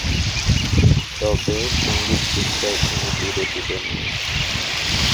তবে সঙ্গীত শিক্ষায় তিনি বিরতি দেননি।